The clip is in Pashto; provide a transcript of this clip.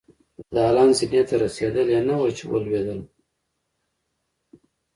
د دالان زينې ته رسېدلې نه وه چې ولوېدله.